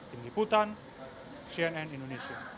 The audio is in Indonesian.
tim liputan cnn indonesia